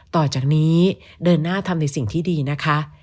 ต่อจากนี้เดินหน้าทำในสิ่งที่ดีนะคะ